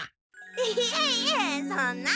いえいえそんな！